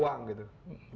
gara gara uang gitu